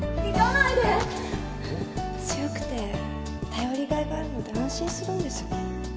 強くて頼りがいがあるので安心するんです